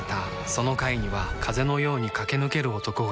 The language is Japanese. その階には風のように駆け抜ける男がいた